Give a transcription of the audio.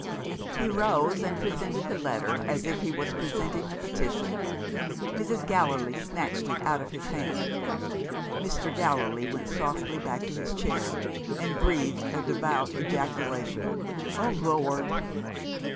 He rose and presented the letter, as if he was presenting a petition. Mrs. Gallilee snatched it out of his hand. Mr. Gallilee went softly back to his chair, and breathed a devout ejaculation. "Oh, Lord!"